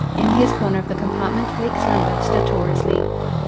In his corner of the compartment Blake slumbered stertorously.